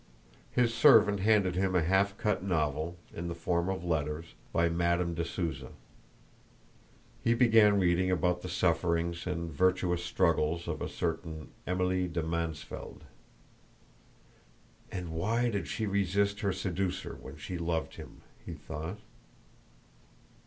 His servant handed him a half cut novel, in the form of letters, by Madame de Souza. He began reading about the sufferings and virtuous struggles of a certain Emilie de Mansfeld. "And why did she resist her seducer when she loved him?" he thought.